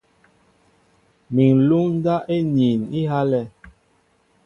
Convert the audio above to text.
Mi ŋ̀luŋ ndáp íniin á ihálɛ̄.